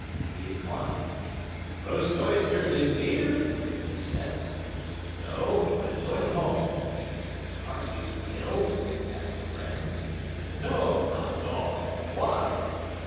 He declined. "Roast oysters and beer," they said. "No, I'm going home." "Are you ill?" asked a friend. "No, not at all. Why?"